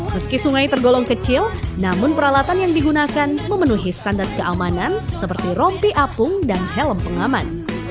meski sungai tergolong kecil namun peralatan yang digunakan memenuhi standar keamanan seperti rompi apung dan helm pengaman